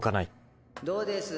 どうです。